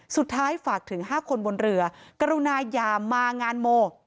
สุดท้ายฝากถึง๕คนบนเรือกรุณายามางานโม